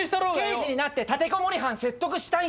刑事になって立てこもり犯説得したいんだ！